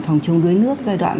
phòng chống đuối nước giai đoạn